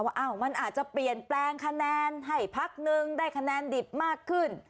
ว่ามันอาจจะเปลี่ยนแปลงคะแนนให้พักนึงได้คะแนนดิบมากขึ้น